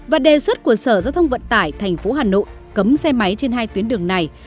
và đề xuất của sở giao thông vận tải tp hà nội cấm xe máy trên hai tuyến đường này